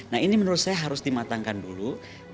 nah ini menurut saya harus dimatangkan dulu